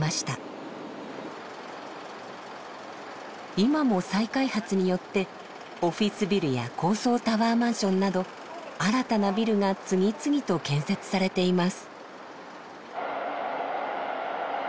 今も再開発によってオフィスビルや高層タワーマンションなど新たなビルが次々と建設されています。